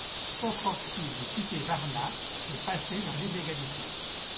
Pokrovski dut quitter Varna et passer dans l'illégalité.